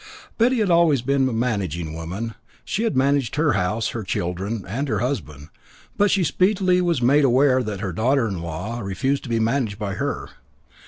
Betty had always been a managing woman. She had managed her house, her children, and her husband; but she speedily was made aware that her daughter in law refused to be managed by her.